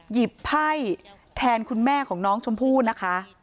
หยิบไพ่แทนคุณแม่ของน้องชมพู่นะคะ